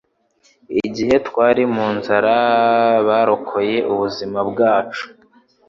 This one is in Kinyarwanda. Igihe twari mu nzara, barokoye ubuzima bwacu.